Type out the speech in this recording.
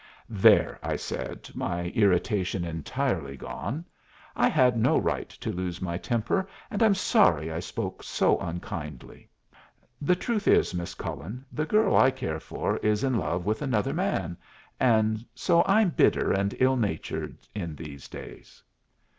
"There!" I said, my irritation entirely gone. "I had no right to lose my temper, and I'm sorry I spoke so unkindly. The truth is, Miss Cullen, the girl I care for is in love with another man, and so I'm bitter and ill natured in these days."